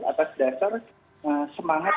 atas dasar semangat